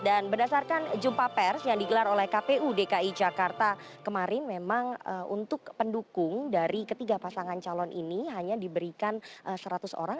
dan berdasarkan jumpa pers yang digelar oleh kpu dki jakarta kemarin memang untuk pendukung dari ketiga pasangan calon ini hanya diberikan seratus orang